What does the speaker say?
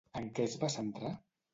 En què es va centrar?